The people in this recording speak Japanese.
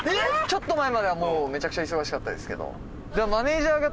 ちょっと前まではもうめちゃくちゃ忙しかったですけど。